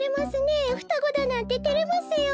ふたごだなんててれますよ。